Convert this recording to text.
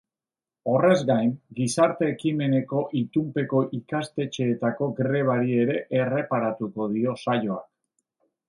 Horrez gain, gizarte ekimeneko itunpeko ikastetxeetako grebari ere erreparatuko dio saioak.